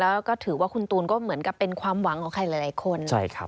แล้วก็ถือว่าคุณตูนก็เหมือนกับเป็นความหวังของใครหลายคน